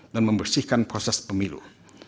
dan membersihkan proses pemilu